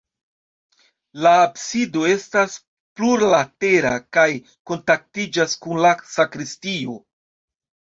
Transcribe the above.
La absido estas plurlatera kaj kontaktiĝas kun la sakristio.